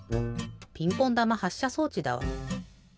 ピンポンだまはっしゃ装置だわ。